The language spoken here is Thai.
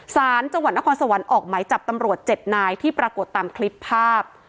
สารจังหวัดนครสวรรค์ออกไหมจับตำรวจ๗นายที่ปรากฏตามคลิปภาพ